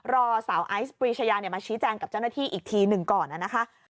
รอสาวไอซ์ปรีชายามาชี้แจงกับเจ้าหน้าที่อีกทีหนึ่งก่อนนะคะ